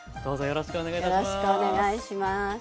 よろしくお願いします。